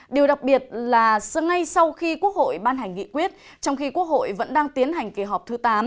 điều đặc biệt là ngay sau khi quốc hội ban hành nghị quyết trong khi quốc hội vẫn đang tiến hành kỳ họp thứ tám